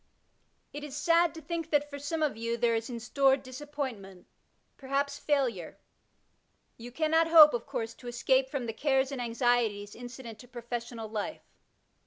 It is sad to think that, for some of you, there is in store disappointment, perhaps &ilure. Ton cannot hope, of course, to escape from the cares and anxieties incident to professional life.